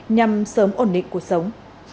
nhằm sớm ổn định cuộc sống